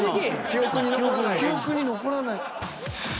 記憶に残らない。